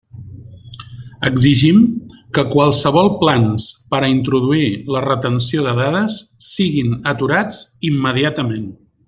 Exigim que qualssevol plans per a introduir la retenció de dades siguin aturats immediatament.